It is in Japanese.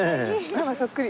ママそっくり。